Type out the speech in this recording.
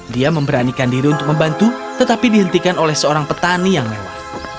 dia memberanikan diri untuk membantu tetapi dihentikan oleh seorang petani yang mewah